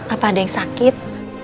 apa ada yang sakit